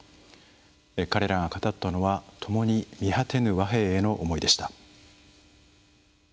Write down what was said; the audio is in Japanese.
彼らが語ったのは、ともに見果てぬ和平への思いでした。